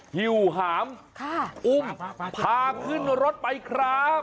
หิวหามอุ้มพาขึ้นรถไปครับ